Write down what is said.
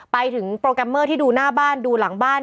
ไปถึงโปรแกรมเมอร์ที่ดูหน้าบ้านดูหลังบ้าน